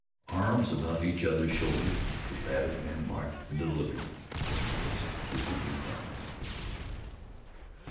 Arms about each other's shoulders, the Babbitt men marched into the living room and faced the swooping family.